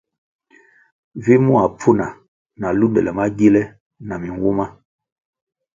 Vi mua pfuna na lundele magile na minwuma.